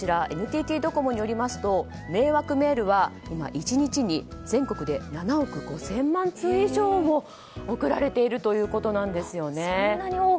ＮＴＴドコモによりますと迷惑メールは今１日に全国で７億５０００万通以上も送られているということなんです。